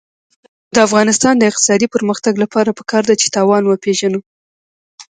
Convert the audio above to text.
د افغانستان د اقتصادي پرمختګ لپاره پکار ده چې تاوان وپېژنو.